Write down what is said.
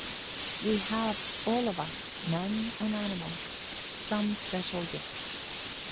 We have all of us, men and animals, some special gift.